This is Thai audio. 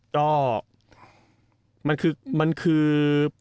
ก็มันคือ